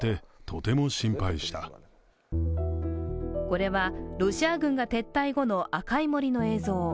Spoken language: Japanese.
これは、ロシア軍が撤退後の赤い森の映像。